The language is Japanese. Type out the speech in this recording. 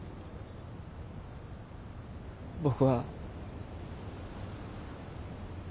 僕は。